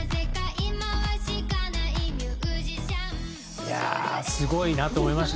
いやあすごいなと思いました